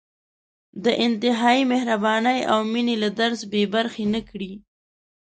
د انتهايي مهربانۍ او مېنې له درس بې برخې نه کړي.